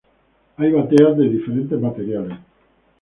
Hay bateas de diferentes materiales.